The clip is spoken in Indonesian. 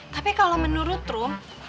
tapi kalo menurut rum